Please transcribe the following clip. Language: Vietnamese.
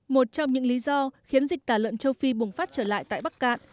một trong những lý do khiến dịch tả lợn châu phi bùng phát trở lại tại bắc cạn